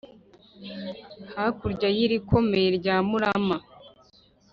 Hakurya y’irikomeye rya Murama,